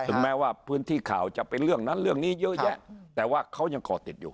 แม้ว่าพื้นที่ข่าวจะเป็นเรื่องนั้นเรื่องนี้เยอะแยะแต่ว่าเขายังก่อติดอยู่